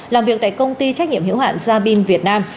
làm việc tại công ty trách nhiệm hiệu hạn gia binh việt nam